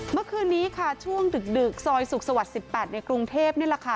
เมื่อคืนนี้ค่ะช่วงดึกซอยสุขสวรรค์๑๘ในกรุงเทพนี่แหละค่ะ